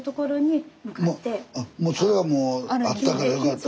あそれはもうあったからよかった。